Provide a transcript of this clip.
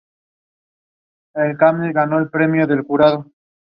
These interviews reveal the larger problem of missing persons in the Emerald Triangle.